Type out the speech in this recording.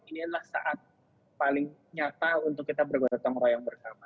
inilah saat paling nyata untuk kita bergotong royong bersama